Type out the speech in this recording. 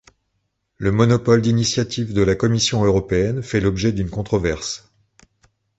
Le monopole d'initiative de la Commission européenne fait l'objet d'une controverse.